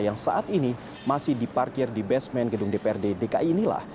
yang saat ini masih diparkir di basement gedung dprd dki inilah